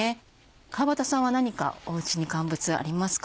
川畑さんは何かおうちに乾物ありますか？